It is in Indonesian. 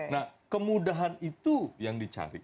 nah kemudahan itu yang dicari